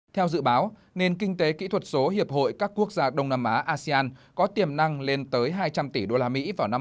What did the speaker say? theo dự báo nền kinh tế kỹ thuật số hiệp hội các quốc gia đông nam á asean có tiềm năng lên tới hai trăm linh tỷ usd vào năm hai nghìn hai mươi